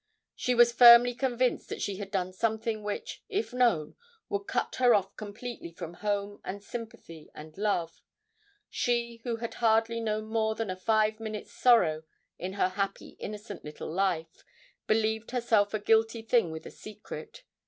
She was firmly convinced that she had done something which, if known, would cut her off completely from home and sympathy and love; she who had hardly known more than a five minutes' sorrow in her happy innocent little life, believed herself a guilty thing with a secret.